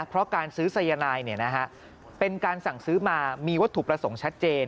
เพราะการซื้อสายนายเป็นการสั่งซื้อมามีวัตถุประสงค์ชัดเจน